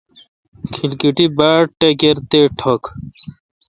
کھلکیٹی باڑٹکَِر تے ٹھو°گ ۔